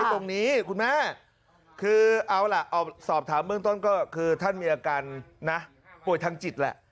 ตรงนี้คุณแม่คือเอาล่ะเอาสอบถามเบื้องต้นก็คือท่านมีอาการนะป่วยทางจิตแหละ